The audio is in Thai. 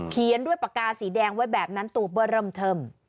เขียนด้วยปากกาสีแดงไว้แบบนั้นตัวเบอร์เริ่มเทิม